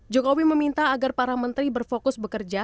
jokowi meminta agar para menteri berfokus bekerja